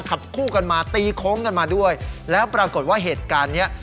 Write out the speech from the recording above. ขับคู่กันมาตีโค้งกันมาด้วยแล้วปรากฏว่าเหตุการณ์เนี้ย